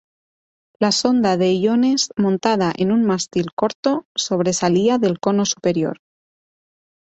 La sonda de iones, montada en un mástil corto, sobresalía del cono superior.